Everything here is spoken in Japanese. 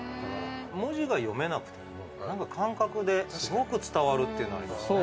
文字が読めなくても何か感覚ですごく伝わるっていうのありますね。